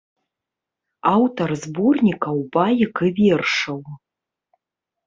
Аўтар зборнікаў баек і вершаў.